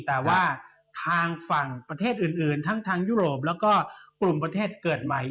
แต่ว่าทางฝั่งประเทศอื่นทั้งทางยุโรปแล้วก็กลุ่มประเทศเกิดใหม่